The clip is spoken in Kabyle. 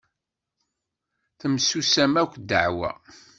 Temsusam akk ddeɛwa.